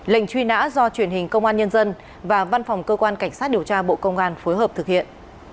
lệnh truy nã do truyền hình công an nhân dân và văn phòng cơ quan cảnh sát điều tra bộ công an phối hợp thực hiện